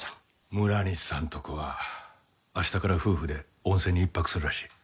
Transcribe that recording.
村西さんとこは明日から夫婦で温泉に１泊するらしい。